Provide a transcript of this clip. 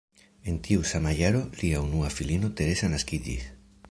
En tiu sama jaro lia unua filino Teresa naskiĝis.